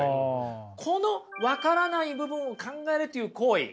この分からない部分を考えるという行為